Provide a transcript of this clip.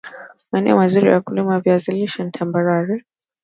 maaeneo mazuri ya kulima viazi lishe ni tambarare